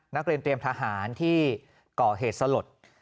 นักเรียนเตรียมทหารที่ก่อเหตุสลด